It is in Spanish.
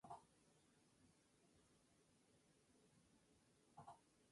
Se convirtió en la primer mujer que tuvo el noticiero de ese canal.